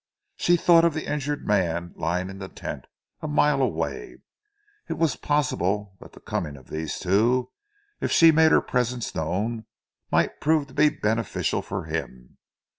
She thought of the injured man lying in the tent a mile away. It was possible that the coming of these two, if she made her presence known, might prove to be beneficial for him.